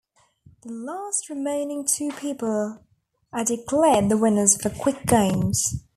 The last remaining two people are declared the winners for quick games.